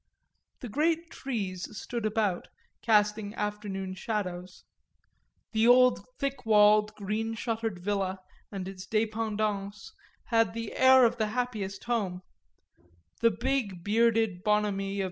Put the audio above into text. The great trees stood about, casting afternoon shadows; the old thick walled green shuttered villa and its dépendances had the air of the happiest home; the big bearded bonhomie of M.